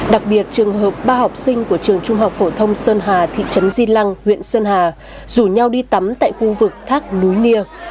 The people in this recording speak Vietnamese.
đặc biệt trường hợp ba học sinh của trường trung học phổ thông sơn hà thị trấn di lăng huyện sơn hà rủ nhau đi tắm tại khu vực thác núi nia